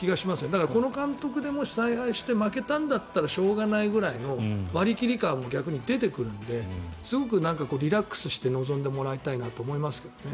だから、この監督でもし采配して負けたんだったらしょうがないぐらいの割り切り感が逆に出てくるのですごくリラックスして臨んでもらいたいと思いますがね。